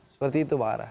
seperti itu bang ara